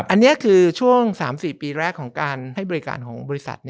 อันนี้คือช่วง๓๔ปีแรกของการให้บริการของบริษัท